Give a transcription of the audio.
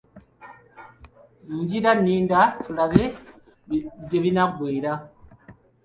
Ngira nninda tulabe gye binaggweera.